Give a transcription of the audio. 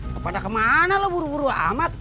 kepada kemana lah buru buru amat